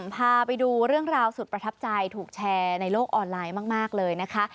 พาไปดูเรื่องราวสุดประทับใจถูกแชร์ในโลกออนไลน์มากเลยนะคะ